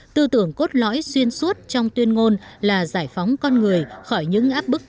tư tưởng cốt lõi xuyên suốt trong tuyên ngôn là giải phóng con người khỏi những áp bức